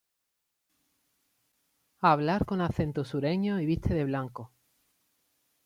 Habla con acento sureño y viste de blanco.